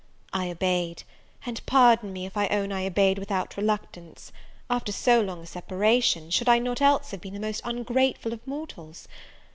I obeyed, and pardon me if I own I obeyed without reluctance: after so long a separation, should I not else have been the most ungrateful of mortals?